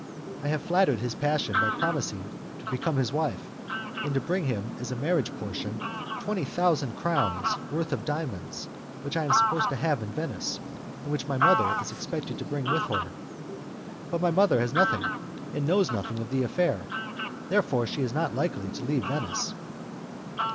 I have flattered his passion by promising to become his wife, and to bring him as a marriage portion twenty thousand crowns' worth of diamonds which I am supposed to have in Venice, and which my mother is expected to bring with her. But my mother has nothing and knows nothing of the affair, therefore she is not likely to leave Venice."